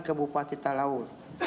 ke bupati talaut